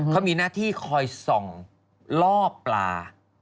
เขามีหน้าที่คอยส่องล่อปลา